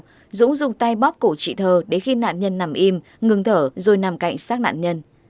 sau đó dũng dùng tay bóp cổ chị thờ để khi nạn nhân nằm im ngừng thở rồi nằm cạnh xác nạn nhân